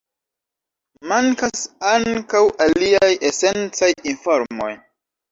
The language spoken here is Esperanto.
Mankas ankaŭ aliaj esencaj informoj.